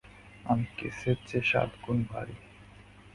আমার কেসের চেয়ে সাতগুণ ভারি।